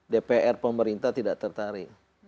dpr pemerintah tidak tertarik